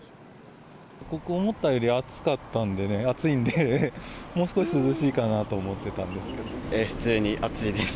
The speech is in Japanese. ここ、思ったより暑かったんでね、暑いんで、もう少し涼しいかなと普通に暑いです。